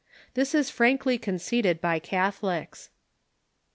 This is frankly conceded by Cath olics.